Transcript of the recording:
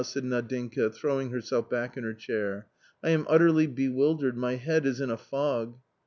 said Nadinka, throwing herself back in her chair. " I am utterly bewil dered — my head is in a fog."